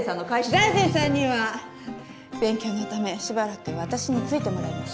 財前さんには勉強のためしばらく私についてもらいます。